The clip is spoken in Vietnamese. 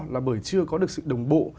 là bởi chưa có được sự đồng bộ